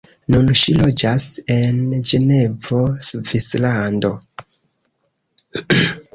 Nun ŝi loĝas en Ĝenevo, Svislando.